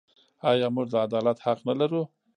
آیا موږ د عدالت حق نلرو؟